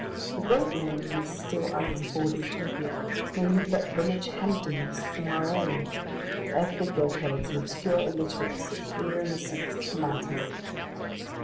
The great men in this still unexplored Utopia may be but village Hampdens in our own, and earthly goatherds and obscure illiterates sit here in the seats of the mighty.